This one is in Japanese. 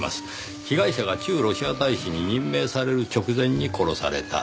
被害者が駐ロシア大使に任命される直前に殺された。